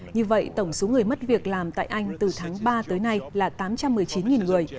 như vậy tổng số người mất việc làm tại anh từ tháng ba tới nay là tám trăm một mươi chín người